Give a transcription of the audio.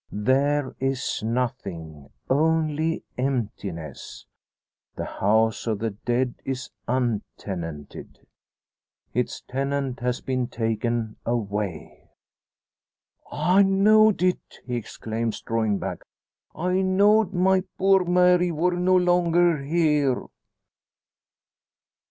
There is nothing only emptiness. The house of the dead is untenanted its tenant has been taken away! "I know'd it!" he exclaims, drawing back. "I know'd my poor Mary wor no longer here!"